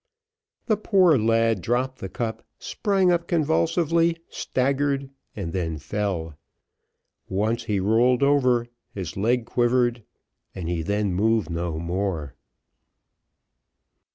The poor lad dropped the cup, sprang up convulsively, staggered, and then fell. Once he rolled over, his leg quivered, and he then moved no more.